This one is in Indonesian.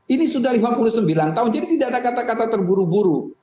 ini sudah lima puluh sembilan tahun jadi tidak ada kata kata terburu buru